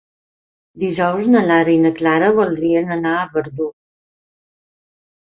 Dijous na Lara i na Clara voldrien anar a Verdú.